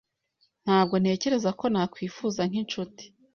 Ntabwo ntekereza ko nakwifuza nk'inshuti.